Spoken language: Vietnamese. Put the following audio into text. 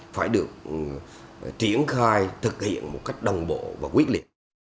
phải được triển khai thực hiện một cách đồng bộ và quyết liệt